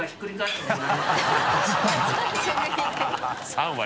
３割。